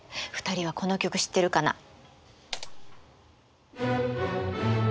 ２人はこの曲知ってるかな？